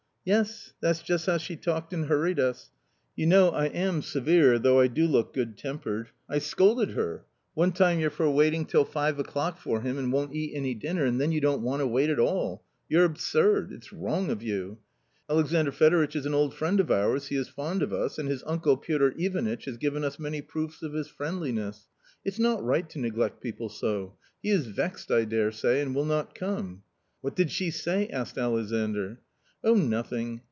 "Yes, that's just how she talked and hurried us. You know lam severe, though I do look good tempered. I scolded A COMMON STORY in her : one time you're for waiting till five o'clock for him, and won't eat any dinner, and then you don't want to wait at all — you're absurd ! it's wrong of you ! Alexandr Fedoritch is an old friend of ours, he is fond of us, and his uncle, Piotr Ivanitch, has given us many proofs of his friendliness ; it's not right to neglect people so 1 He is vexed, I daresay, and will not come "" What did she say ?" asked Alexandr. "Oh, nothing.